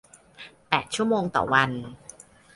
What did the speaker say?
แปดชั่วโมงต่อวัน